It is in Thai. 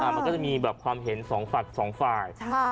มันก็จะมีแบบความเห็นสองฝั่งสองฝ่าย